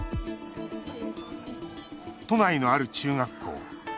都内の、ある中学校。